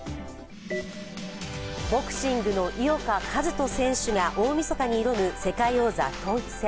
ボクシングの井岡一翔選手が大みそかに挑む世界王座統一戦。